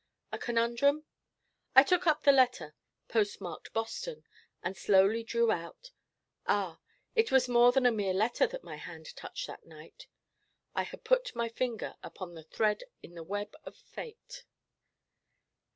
'A conundrum?' I took up the letter post marked Boston, and slowly drew out ah, it was more than a mere letter that my hand touched that night. I had put my finger upon a thread in the web of fate!